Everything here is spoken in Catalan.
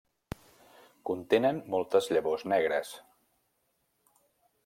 Contenen moltes llavors negres.